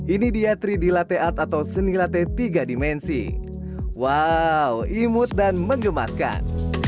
ini dia tiga d latte art atau seni latte tiga dimensi wow imut dan mengemaskan